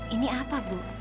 ini apa bu